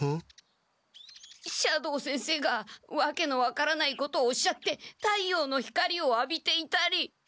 斜堂先生がわけの分からないことをおっしゃって太陽の光をあびていたり。